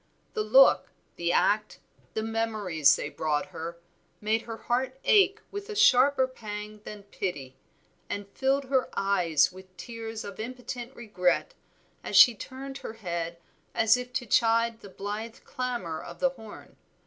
The look, the act, the memories they brought her, made her heart ache with a sharper pang than pity, and filled her eyes with tears of impotent regret, as she turned her head as if to chide the blithe clamor of the horn.